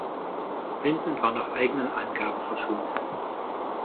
Vincent war nach eigenen Angaben verschuldet.